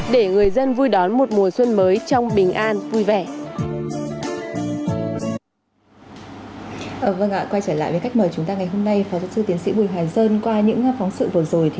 để người dân vui đón một mùa xuân mới